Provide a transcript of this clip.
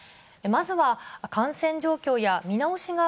まずは、感染状況や見直しが